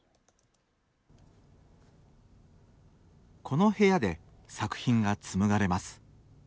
この部屋で作品が紡がれます。